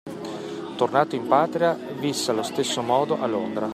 Tornato in patria, visse allo stesso modo a Londra.